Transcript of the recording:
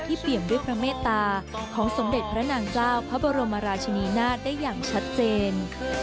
เปลี่ยนด้วยพระเมตตาของสมเด็จพระนางเจ้าพระบรมราชินีนาฏได้อย่างชัดเจน